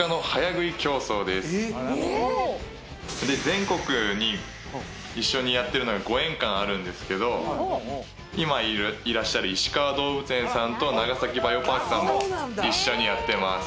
全国に一緒にやってるのが５園館あるんですけど今いらっしゃるいしかわ動物園さんと長崎バイオパークさんも一緒にやってます